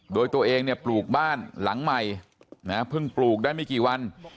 โดยตัวเองเนี่ยปลูกบ้านหลังใหม่เพิ่งปลูกได้ไม่กี่วัน